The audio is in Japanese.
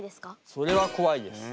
それはこわいです。